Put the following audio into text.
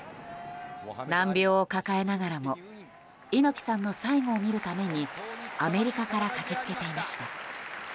難病を抱えながらも猪木さんの最後を見るためにアメリカから駆けつけていました。